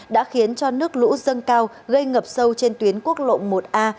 đã khiến cho nước lũ dân cao gây ngập sâu trên tuyến quốc lộng một a